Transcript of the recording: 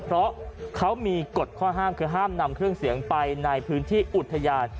เพราะเขามีกฎข้อห้ามคือห้ามนำเครื่องเสียงไปในพื้นที่อุทยาน